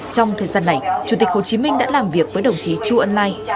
trong thời gian này chủ tịch hồ chí minh đã làm việc với đồng chí chu ân lai